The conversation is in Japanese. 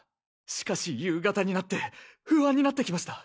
しかし夕方になって不安になってきました。